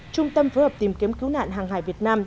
trung tâm phối hợp tìm kiếm cứu nạn hàng hải việt nam